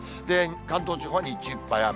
関東地方、日中いっぱい雨。